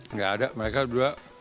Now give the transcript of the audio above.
enggak ada mereka dua